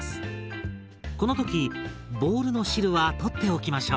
この時ボウルの汁はとっておきましょう。